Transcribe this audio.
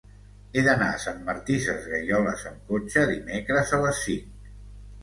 He d'anar a Sant Martí Sesgueioles amb cotxe dimecres a les cinc.